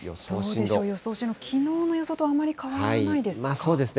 どうでしょう、予想進路、きのうの予想とあまり変わらないですか。